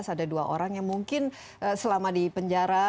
ada dua orang yang mungkin selama di penjara